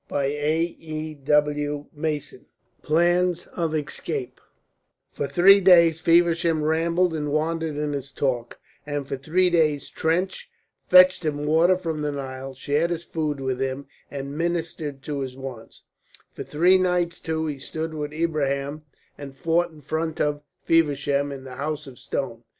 CHAPTER XXVIII PLANS OF ESCAPE For three days Feversham rambled and wandered in his talk, and for three days Trench fetched him water from the Nile, shared his food with him, and ministered to his wants; for three nights, too, he stood with Ibrahim and fought in front of Feversham in the House of Stone.